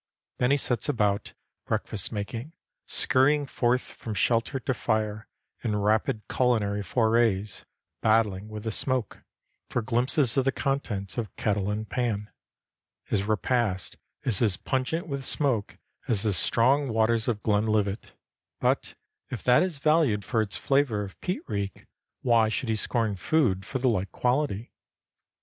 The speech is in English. Then he sets about breakfast making, scurrying forth from shelter to fire, in rapid culinary forays, battling with the smoke, for glimpses of the contents of kettle and pan. His repast is as pungent with smoke as the strong waters of Glenlivat, but if that is valued for its flavor of peat reek, why should he scorn food for the like quality?